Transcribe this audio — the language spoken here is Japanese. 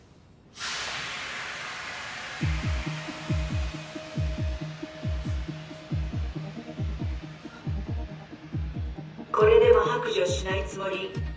シューこれでも白状しないつもり？